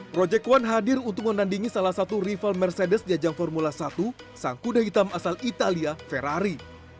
project one hadir untuk menandingi salah satu rival mercedes di ajang formula satu sang kuda hitam asal italia ferrari